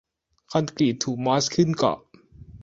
คอนกรีตถูกมอสขึ้นเกาะ